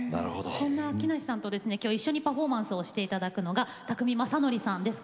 そんな木梨さんと一緒にパフォーマンスをしていただく宅見将典さん。